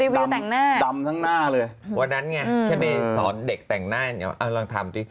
วันนั้นไงแชเบสอร์ตเด็กแต่งหน้าทางนั้น